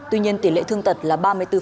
tuy nhiên tỷ lệ thương tật là ba mươi bốn